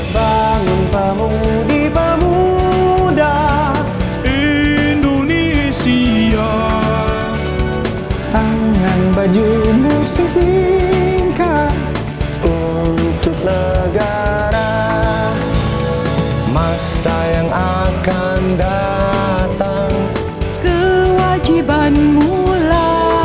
tanggunganmu terhadap nusa